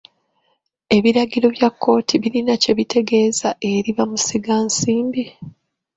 Ebiragiro bya kkooti birina kye bitegeeza eri bamusigansimbi.